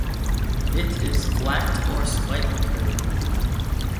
It is flat or slightly curved.